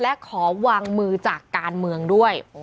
และขอวางมือจากการเมืองด้วย